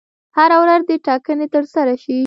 هره ورځ دي ټاکنې ترسره شي.